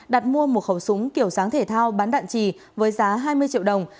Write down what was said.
đặt mua một khẩu súng kiểu sáng thể thao bán đạn trì với giá hai mươi triệu đồng